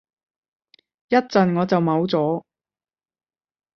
一陣我就冇咗